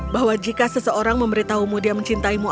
bahwa jika seseorang memberitahumu dia mencintai mu